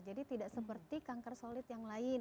jadi tidak seperti kanker solid yang lain